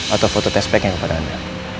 atau foto test pack nya kepada anda